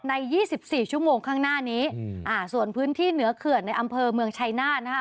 ยี่สิบสี่ชั่วโมงข้างหน้านี้อ่าส่วนพื้นที่เหนือเขื่อนในอำเภอเมืองชัยนาธนะคะ